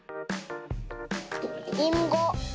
りんご。